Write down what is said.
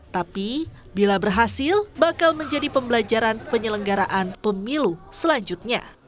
tapi bila berhasil bakal menjadi pembelajaran penyelenggaraan pemilu selanjutnya